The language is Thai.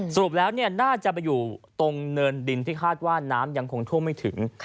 สรุปแล้วน่าจะไปอยู่ตรงเนินดินที่คาดว่าน้ำยังคงท่วมไม่ถึง